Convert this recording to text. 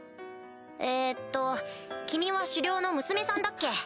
えっと君は首領の娘さんだっけ？